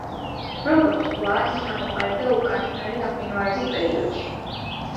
როგორც ზღვა, ის ჩამოყალიბდა უკანასკნელი გამყინვარების პერიოდში.